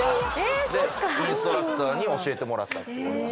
インストラクターに教えてもらったという。